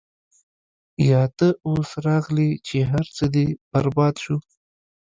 يا تۀ اوس راغلې چې هر څۀ دې برباد شو -